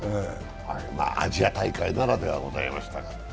アジア大会ならではでございましたが。